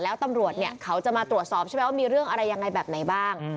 แล้วตำรวจเนี่ยเขาจะมาตรวจสอบใช่ไหมว่ามีเรื่องอะไรยังไงแบบไหนบ้าง